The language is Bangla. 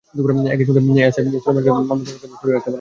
একই সঙ্গে এসআই সোলায়মানকে মামলার তদন্তকাজ থেকে সরিয়ে রাখতে বলা হয়েছে।